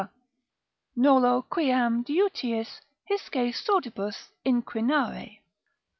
nolo quem diutius hisce sordibus inquinare.